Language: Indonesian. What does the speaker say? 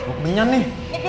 gue keminyan nih